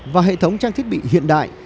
và hệ thống trang thiết bị hiện đại